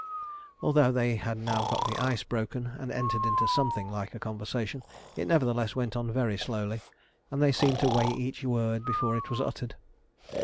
Although they had now got the ice broken, and entered into something like a conversation, it nevertheless went on very slowly, and they seemed to weigh each word before it was uttered.